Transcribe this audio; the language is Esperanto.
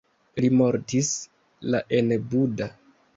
Li mortis la en Buda.